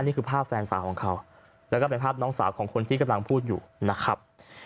นี่คือภาพแฟนสาวของเขาแล้วก็เป็นภาพน้องสาวของคนที่กำลังพูดอยู่นะครับ